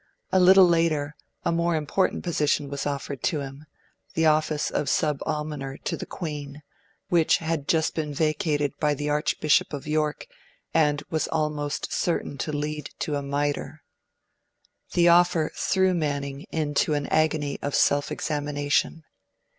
A little later, a more important position was offered to him the office of sub almoner to the Queen, which had just been vacated by the Archbishop of York, and was almost certain to lead to a mitre. The offer threw Manning into an agony of self examination.